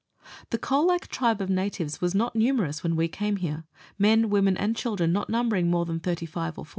The Colac tribe of natives was not numerous when we came here men, women, and children not numbering more than 35 or 40.